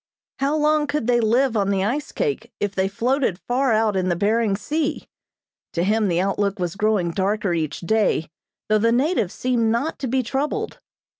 How long could they live on the ice cake if they floated far out in the Behring Sea? To him the outlook was growing darker each day, though the natives seemed not to be troubled.